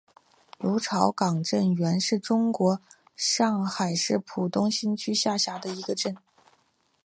芦潮港镇原是中国上海市浦东新区下辖的一个镇。